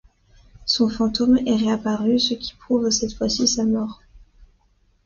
Son fantôme est réapparu, ce qui prouve cette fois-ci sa mort.